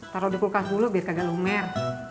taruh di kulkas dulu biar kagak lumer